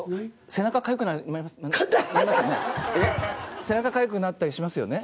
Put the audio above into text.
背中かゆくなったりしますよね？